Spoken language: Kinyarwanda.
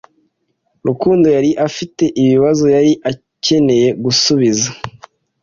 Rukundo yari afite ibibazo yari akeneye gusubiza.